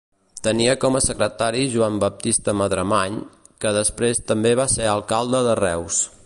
Tenia com a secretari Joan Baptista Madremany, que després també va ser alcalde de Reus.